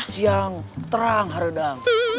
siang terang haradang